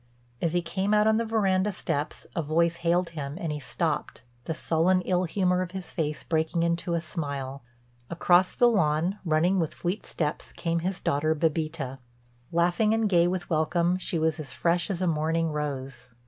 As he came out on the verandah steps a voice hailed him and he stopped, the sullen ill humor of his face breaking into a smile. Across the lawn, running with fleet steps, came his daughter Bébita. Laughing and gay with welcome, she was as fresh as a morning rose.